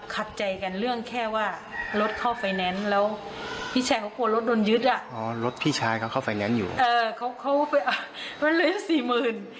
ขัดใจกันเรื่องแค่ว่ารถเข้าไฟแนนซ์แล้วพี่ชายเขากลัวรถโดนยึดอ่ะอ๋อรถพี่ชายเขาเข้าไฟแนนซ์อยู่เออเขาเขาไปอ่ะมันเหลือสี่หมื่น